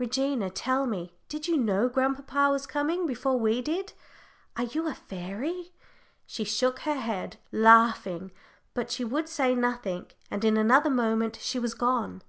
Regina, tell me, did you know grandpapa was coming before we did? Are you a fairy?" She shook her head, laughing, but she would say nothing, and in another moment she was gone.